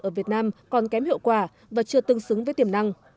ở việt nam còn kém hiệu quả và chưa tương xứng với tiềm năng